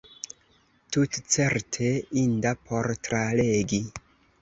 Tutcerte inda por tralegi.